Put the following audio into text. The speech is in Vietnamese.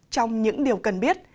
trong những điều cần biết